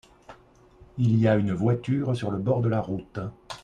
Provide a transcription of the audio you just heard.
il y a une voiture sur le bord de la route.